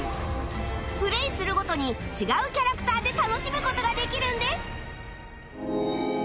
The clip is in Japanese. プレイするごとに違うキャラクターで楽しむ事ができるんです